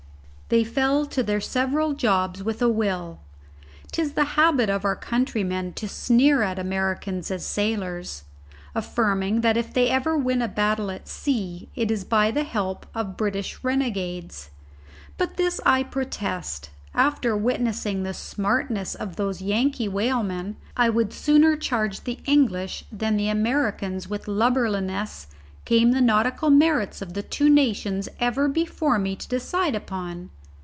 They fell to their several jobs with a will. 'Tis the habit of our countrymen to sneer at the Americans as sailors, affirming that if ever they win a battle at sea it is by the help of British renegades. But this I protest; after witnessing the smartness of those Yankee whalemen, I would sooner charge the English than the Americans with lubberliness came the nautical merits of the two nations ever before me to decide upon.